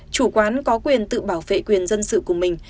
chủ quán có quyền tự bảo vệ quyền dân sự của mình